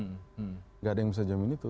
tidak ada yang bisa jamin itu